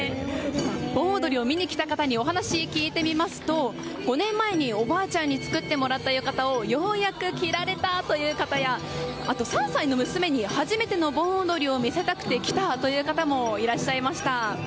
盆踊りを見に来た方にお話を聞いてみますと５年前におばあちゃんに作ってもらった浴衣をようやく着られたという方やあと、３歳の娘に初めての盆踊りを見せたくて来たという方もいらっしゃいました。